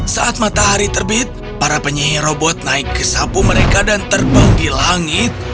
saat matahari terbit para penyihir robot naik ke sapu mereka dan terbang di langit